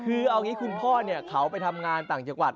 คือเอางี้คุณพ่อเขาไปทำงานต่างจังหวัด